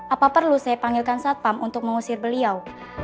apa perlu saya panggilkan satpam untuk mengusir beliau